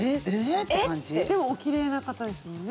でもおきれいな方ですもんね？